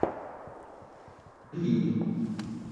ڈی